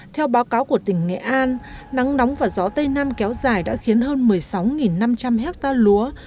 theo báo cáo của tỉnh nghệ an nắng nóng và gió tây nam kéo dài đã khiến hơn một mươi sáu năm trăm linh hectare lúa